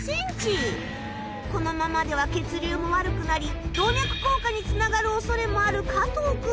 このままでは血流も悪くなり動脈硬化につながる恐れもある加藤君。